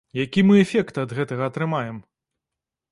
Які мы эфект ад гэтага атрымаем?